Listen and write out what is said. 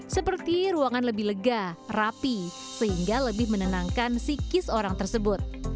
seperti ruangan lebih lega rapi sehingga lebih menenangkan psikis orang tersebut